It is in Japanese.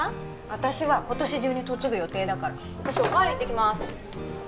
私は今年中に嫁ぐ予定だから私おかわり行ってきまーす